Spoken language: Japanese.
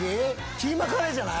⁉キーマカレーじゃない？